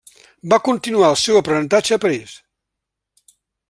Va continuar el seu aprenentatge a París.